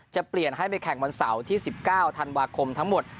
จะเปลี่ยนให้ไปแข่งวันเสาร์ที่๑๙ธันวาคมทั้งหมด